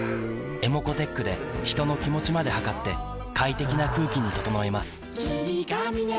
ｅｍｏｃｏーｔｅｃｈで人の気持ちまで測って快適な空気に整えます